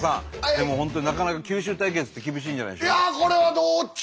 でも本当になかなか九州対決って厳しいんじゃないでしょうか？